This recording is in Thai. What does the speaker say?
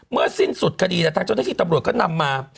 เมื่อสิ้นสุดคดีเนี่ยทางเจ้าหน้าชีวิตตำรวจก็นำมา